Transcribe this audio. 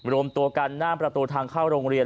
รวมตัวกันหน้าประตูทางเข้าโรงเรียน